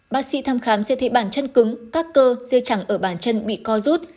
bác sĩ thăm khám sẽ thấy bàn chân cứng các cơ dây chẳng ở bàn chân bị co rút